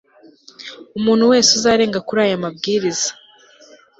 umuntu wese uzarenga kuri aya mabwiriza